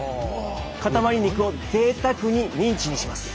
かたまり肉をぜいたくにミンチにします。